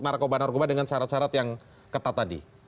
narkoba narkoba dengan syarat syarat yang ketat tadi